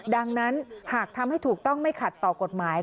ดังนั้นหากทำให้ถูกต้องไม่ขัดต่อกฎหมาย